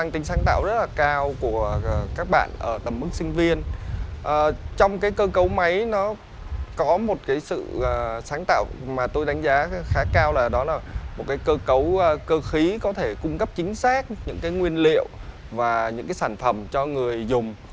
trong cơ cấu máy có một sự sáng tạo mà tôi đánh giá khá cao là cơ khí có thể cung cấp chính xác những nguyên liệu và những sản phẩm cho người dùng